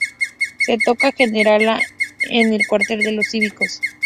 Se toca generala en el cuartel de los cívicos.